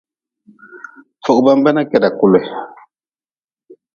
Fogʼban benah keda kule.